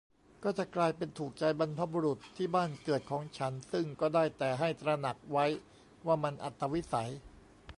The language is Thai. ก็จะกลายเป็น "ถูกใจบรรพบุรุษที่บ้านเกิดของฉัน" ซึ่งก็ได้ แต่ให้ตระหนักไว้ว่ามันอัตวิสัย